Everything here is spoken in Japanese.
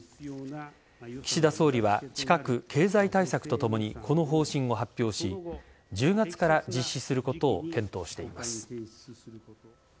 岸田総理は近く経済対策とともにこの方針を発表し１０月から実施することを検討しています。